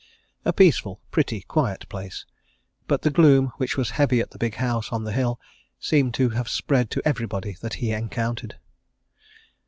A peaceful, pretty, quiet place but the gloom which was heavy at the big house or the hill seemed to have spread to everybody that he encountered.